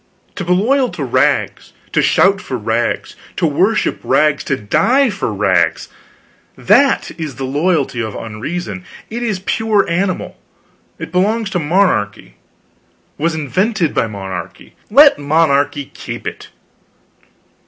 To be loyal to rags, to shout for rags, to worship rags, to die for rags that is a loyalty of unreason, it is pure animal; it belongs to monarchy, was invented by monarchy; let monarchy keep it.